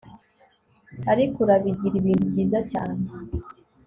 ariko urabigira ibintu byiza cyane